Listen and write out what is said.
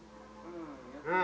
うん。